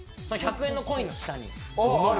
１００円のコインの下に。